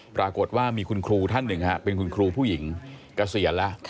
ปรากฏว่ามีคุณครูท่านหนึ่งเป็นคุณครูผู้หญิงเกษียณแล้ว